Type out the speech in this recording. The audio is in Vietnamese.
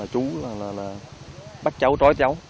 chú bắt cháu trói cháu